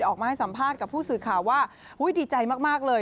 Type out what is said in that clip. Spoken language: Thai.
ออกมาให้สัมภาษณ์กับผู้สื่อข่าวว่าดีใจมากเลย